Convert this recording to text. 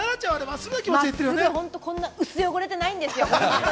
こんな薄汚れてないですよ。